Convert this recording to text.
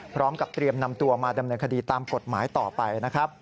พร้อมกับเตรียมนำตัวมาดำเนินคดีตามกฎหมายต่อไปนะครับ